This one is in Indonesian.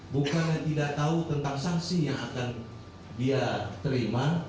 bukan tidak tahu tentang sanksi yang akan dia terima